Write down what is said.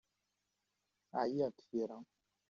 Ɛyiɣ g tira.